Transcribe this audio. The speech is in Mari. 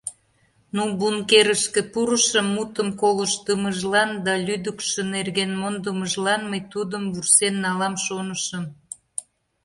Ну, бункерышке пурышым, мутым колыштдымыжлан да лӱдыкшӧ нерген мондымыжлан мый тудым вурсен налам шонышым.